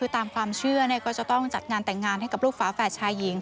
ตามความเชื่อก็จะต้องจัดงานแต่งงานให้กับลูกฝาแฝดชายหญิง